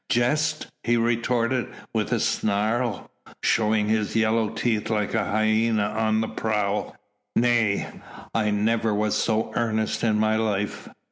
"Jest!" he retorted with a snarl, showing his yellow teeth like a hyena on the prowl, "nay! I never was so earnest in my life.